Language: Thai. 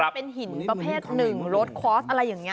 เป็นหินประเภทหนึ่งรถคอร์สอะไรอย่างนี้